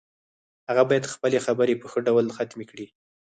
هغه باید خپلې خبرې په ښه ډول ختمې کړي